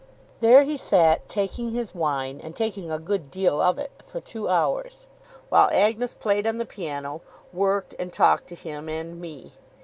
There he sat, taking his wine, and taking a good deal of it, for two hours; while Agnes played on the piano, worked, and talked to him and me.